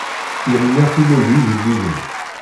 Yamina tulel igellilen.